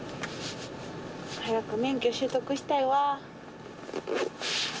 早く免許取得したいわ。